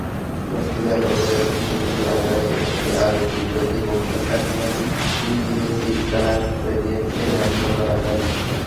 চট্টগ্রাম নগরের ফিরিঙ্গি বাজারে একটি আয়ুর্বেদিক ওষুধ কারখানা সিলগালা করে দিয়েছেন ভ্রাম্যমাণ আদালত।